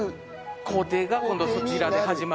工程が今度そちらで始まるので。